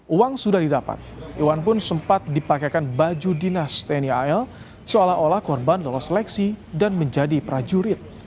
uang sudah didapat iwan pun sempat dipakaikan baju dinas tni al seolah olah korban lolos seleksi dan menjadi prajurit